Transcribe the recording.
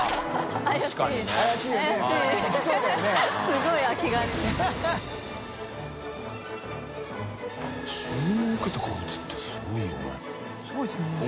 すごいですよね。